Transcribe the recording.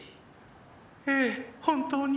ええ本当に。